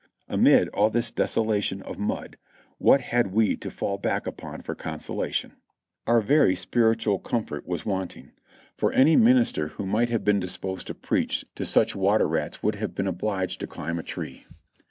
Amid all this desolation of mud, what had we to fall back upon for consolation? Our very spiritual comfort was wanting, for any minister who might have been disposed to 342 JOHNNY REB AND BII^LY YANK preach to such water rats would have been obhged to climb a tree.